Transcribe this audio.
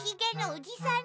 おじいさん？